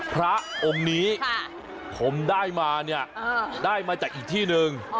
พระองค์นี้ผมได้มาเนี่ยได้มาจากอีกที่หนึ่ง